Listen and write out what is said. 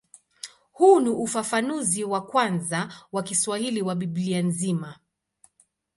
Huu ni ufafanuzi wa kwanza wa Kiswahili wa Biblia nzima.